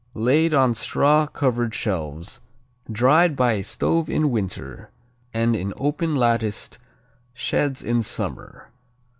Laid on straw covered shelves, dried by a stove in winter and in open latticed sheds in summer.